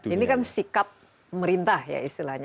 ini kan sikap pemerintah ya istilahnya